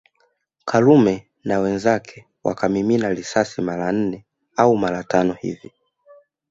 Karume na wenzake wakamimina risasi mara nne au mara tano hivi